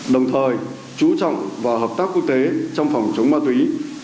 đồng thời chú trọng vào hợp tác quốc tế trong phòng chống ma túy